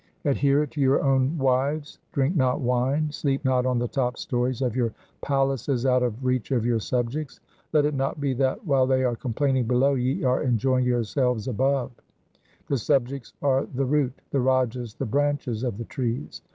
Adhere to your own wives, drink not wine, sleep not on the top stories of your palaces out of reach of your subjects. Let it not be that, while they are complaining below, ye are enjoying your selves above. The subj ects are the root, the Rajas the branches of the trees.